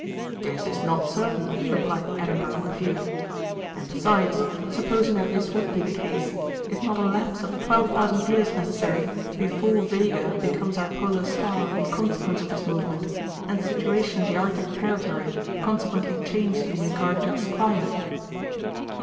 "This is not certain," replied the Edinburgh Review, "and, besides, supposing that this would be the case, is not a lapse of 12,000 years necessary before Vega becomes our polar star in consequence of this movement and the situation of the Arctic territory consequently changed in regard to its climate?"